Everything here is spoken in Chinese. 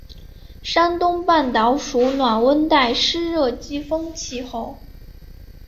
山东半岛属暖温带湿润季风气候。